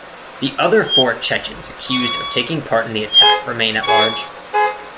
The other four Chechens accused of taking part in the attack remain at large.